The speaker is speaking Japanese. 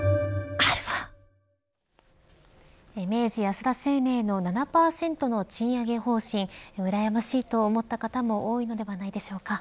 明治安田生命の７％の賃上げ方針うらやましいと思った方も多いのではないでしょうか。